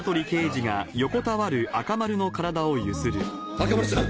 赤丸さん！